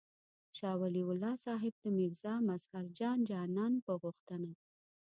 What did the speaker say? شاه ولي الله صاحب د میرزا مظهر جان جانان په غوښتنه.